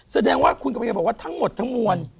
แสดงว่าคุณกำลังจะบอกว่าทั้งหมดทั้งมวล